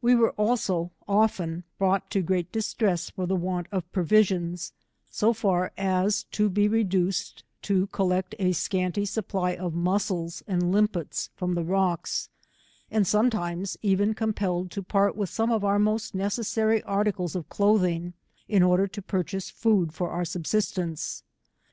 We were also often brought to great distress for the want of provisions, so far as to be reduced to collect a scanty supply of muscles and limpets from the rocks, and sometimes even compelled to part with some of our most necessary articles of clothing, in order to purchase food for our sub sistence.